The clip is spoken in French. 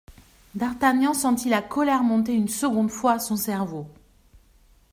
D'Artagnan sentit la colère monter une seconde fois à son cerveau.